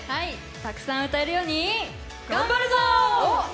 たくさん歌えるように頑張るぞー！